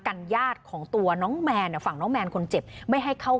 ญาติของตัวน้องแมนฝั่งน้องแมนคนเจ็บไม่ให้เข้า